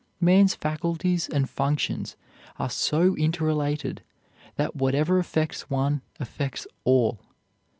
Man's faculties and functions are so interrelated that whatever affects one affects all.